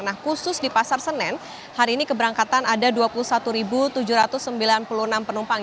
nah khusus di pasar senen hari ini keberangkatan ada dua puluh satu tujuh ratus sembilan puluh enam penumpang